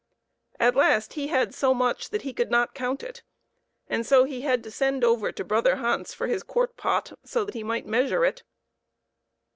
At last he had so much that he could not count it, and so he had to send over to brother Hans for his quart pot, so that he might measure it.